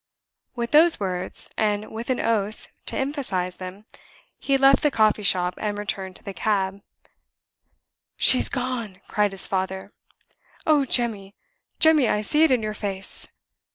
With those words, and with an oath to emphasize them, he left the coffee shop and returned to the cab. "She's gone!" cried his father. "Oh, Jemmy, Jemmy, I see it in your face!"